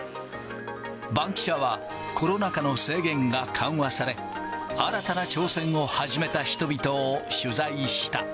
バンキシャは、コロナ禍の制限が緩和され、新たな挑戦を始めた人々を取材した。